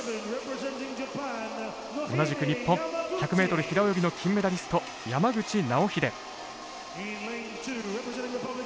同じく日本１００ｍ平泳ぎの金メダリスト山口尚秀。